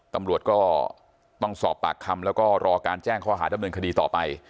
ตำรวจก็ต้องสอบปากคำแล้วก็รอการแจ้งข้อหาดำเนินคดีต่อไป